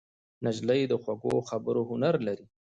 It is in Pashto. نجلۍ د خوږو خبرو هنر لري.